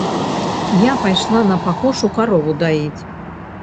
Я пайшла на пакошу карову даіць.